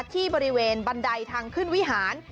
ที่บริเวณบันไดทางขึ้นวิหาร